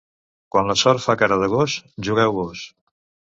Quan la sort fa cara de gos, jugueu vós.